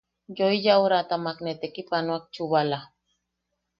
Yoi yaʼuratamak ne tekipanoak chubala.